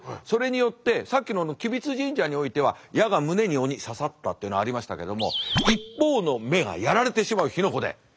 それによってさっきの吉備津神社においては矢が胸に鬼刺さったというのがありましたけども一方の目がやられてしまう火の粉で。